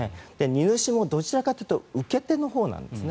荷主もどちらかというと受け手のほうなんですね。